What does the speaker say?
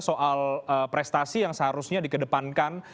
soal prestasi yang seharusnya dikedepankan